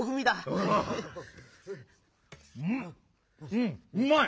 うんうまい！